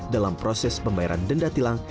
dalam proses pembayaran denda tilang